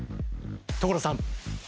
所さん！